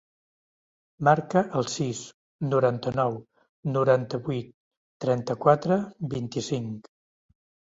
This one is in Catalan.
Marca el sis, noranta-nou, noranta-vuit, trenta-quatre, vint-i-cinc.